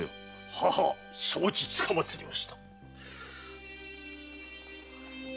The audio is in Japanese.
ははっ承知つかまつりました。